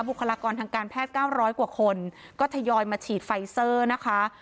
คลากรทางการแพทย์๙๐๐กว่าคนก็ทยอยมาฉีดไฟเซอร์นะคะ